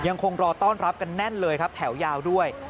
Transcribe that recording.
รอต้อนรับกันแน่นเลยครับแถวยาวด้วย